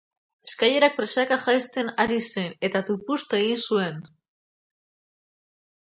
Eskailerak presaka jaisten ari zen, eta tupust egin zuten.